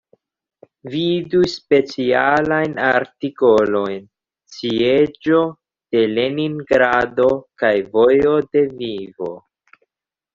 Vidu specialajn artikolojn: Sieĝo de Leningrado kaj Vojo de Vivo.